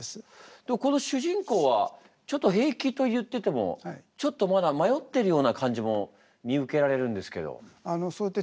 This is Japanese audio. この主人公はちょっと「平気」と言っててもちょっとまだ迷ってるような感じも見受けられるんですけど。